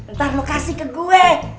ntar mau kasih ke gue